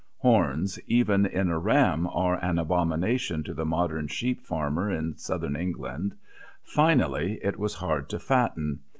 Horns, even in a ram, are an abomination to the modern sheep farmer in Southern England. Finally, it was hard to fatten.